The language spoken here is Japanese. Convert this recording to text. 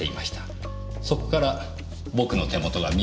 そこから僕の手元が見えますか？